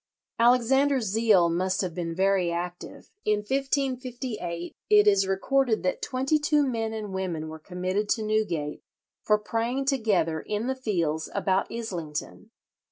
Alexander's zeal must have been very active. In 1558 it is recorded that twenty two men and women were committed to Newgate for praying together in the fields about Islington.